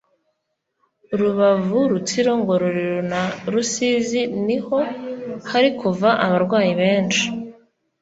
Rubavu , Rutsiro , Ngororero na rusizi niho harikuva abarwayi benshi